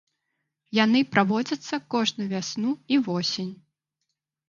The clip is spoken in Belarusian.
Яны праводзяцца кожную вясну і восень.